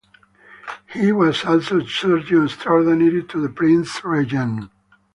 He was also surgeon extraordinary to the prince regent.